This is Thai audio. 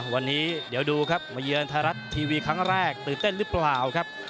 วันนี้เดี๋ยวดูครับมาเยือนไทยรัฐทีวีครั้งแรกตื่นเต้นหรือเปล่าครับ